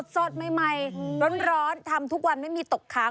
สดใหม่ร้อนทำทุกวันไม่มีตกค้าง